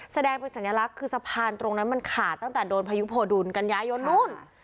แสดงเป็นสัญลักษณ์คือสะพานตรงนั้นมันขาดตั้งแต่โดนพายุโพดุลกันยายนนู้น